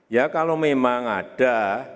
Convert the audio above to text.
ya kalau memang ada